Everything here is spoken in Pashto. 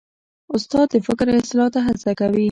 استاد د فکر اصلاح ته هڅه کوي.